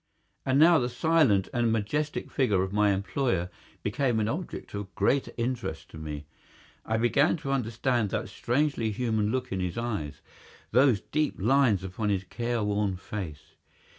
And now the silent and majestic figure of my employer became an object of greater interest to me. I began to understand that strangely human look in his eyes, those deep lines upon his care worn face.